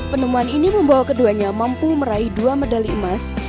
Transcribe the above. penemuan ini membawa keduanya mampu meraih dua medali emas